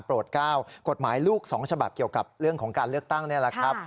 ๙กฎหมายลูก๒ฉบับเกี่ยวกับเรื่องของการเลือกตั้งนี่แหละครับ